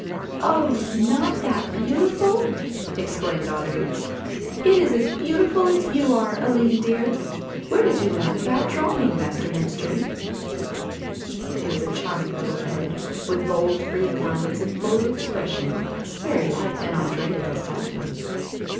"Oh, is not that beautiful?" exclaimed Audry. "It is as beautiful as you are, Aline dear. Where did you learn about drawing, Master Menstrie?" It was a charming little head with bold free lines and full of expression, very like an Andrea del Sarto.